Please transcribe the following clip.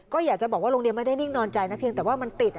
ก็อยากจะบอกว่าโรงเรียนไม่ได้นิ่งนอนใจนะเพียงแต่ว่ามันติด